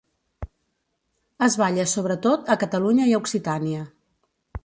Es balla sobretot a Catalunya i a Occitània.